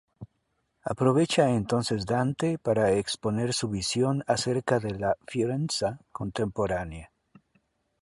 Aprovecha entonces Dante para exponer su visión acerca de la "Fiorenza" contemporánea.